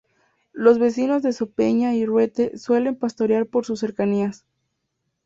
Los vecinos de Sopeña y Ruente suelen pastorear por sus cercanías.